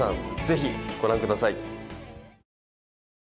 ぜひご覧ください。